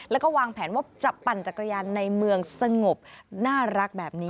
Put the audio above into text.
แล้วก็วางแผนว่าจะปั่นจักรยานในเมืองสงบน่ารักแบบนี้